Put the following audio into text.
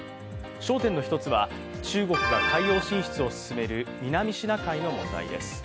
焦点の１つは、中国が海洋進出を進める南シナ海の問題です。